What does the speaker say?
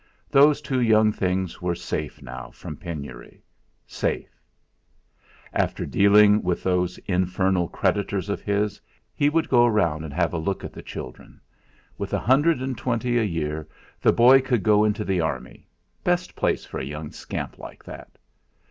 Those two young things were safe now from penury safe! After dealing with those infernal creditors of his he would go round and have a look at the children. With a hundred and twenty a year the boy could go into the Army best place for a young scamp like that.